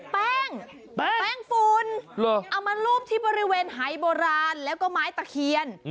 แป้งแป้งฝุ่นเอามารูปที่บริเวณหายโบราณแล้วก็ไม้ตะเคียน